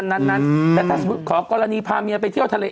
แต่ถ้าสมมุติขอกรณีพาเมียไปเที่ยวทะเล